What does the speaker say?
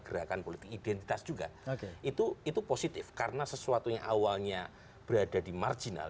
gerakan politik identitas juga itu itu positif karena sesuatu yang awalnya berada di marginal